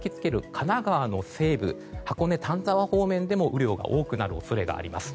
神奈川の西部、箱根丹沢方面でも雨量が多くなる恐れがあります。